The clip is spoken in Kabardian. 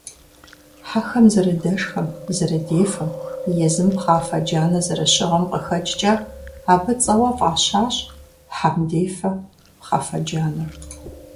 Хьэхэм зэрыдэшхэм, зэрыдефэм, езым пхъафэ джанэ зэрыщыгъым къыхэкӀкӀэ абы цӀэуэ фӀащащ «Хьэмдефэ Пхъафэджанэ».